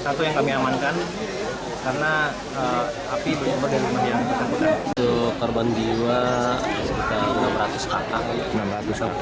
satu yang kami amankan karena api berasal dari rumah yang terkampung